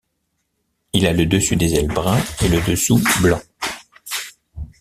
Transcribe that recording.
Il a le dessus des ailes brun et le dessous blanc.